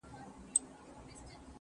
• څوک په مال او دولت کله سړی کيږي..